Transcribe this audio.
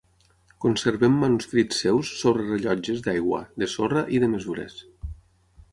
Conservem manuscrits seus sobre rellotges d'aigua, de sorra, i de mesures.